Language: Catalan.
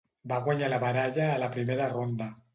Va guanyar la baralla a la primera ronda.